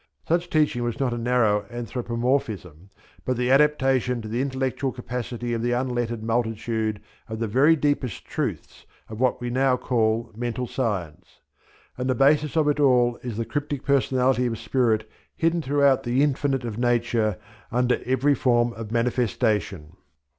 Such teaching was not a narrow anthropomorphism but the adaptation to the intellectual capacity of the unlettered multitude of the very deepest truths of what we now call Mental Science. And the basis of it all is the cryptic personality of spirit hidden throughout the infinite of Nature under every form of manifestation.